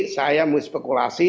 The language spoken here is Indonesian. saya mau spekulasi